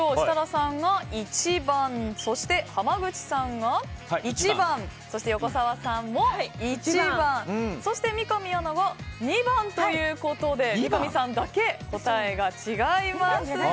設楽さんが１番そして、濱口さんが１番そして横澤さんも１番そして三上アナが２番ということで三上さんだけ答えが違います。